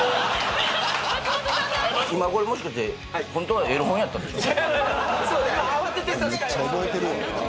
これもしかして本当はエロ本やったでしょ。